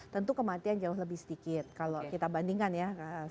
tentu kematian jauh lebih sedikit kalau kita bandingkan ya